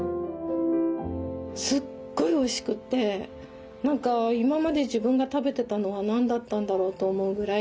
すっごいおいしくて何か今まで自分が食べてたのは何だったんだろうと思うぐらい。